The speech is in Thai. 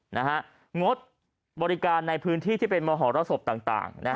งดบริการในพื้นที่ที่เป็นมหรสบต่าง